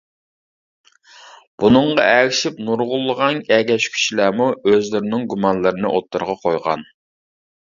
بۇنىڭغا ئەگىشىپ نۇرغۇنلىغان ئەگەشكۈچىلەرمۇ ئۆزلىرىنىڭ گۇمانلىرىنى ئوتتۇرىغا قويغان.